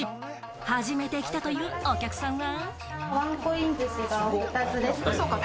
初めて来たというお客さんは。